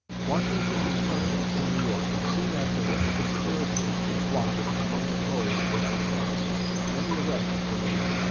Washington returned to New York and soon afterwards a conspiracy (plot) among the Tories was discovered. Many arrests were made.